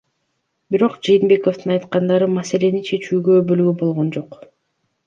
Бирок Жээнбековдун айткандары маселени чечүүгө өбөлгө болгон жок.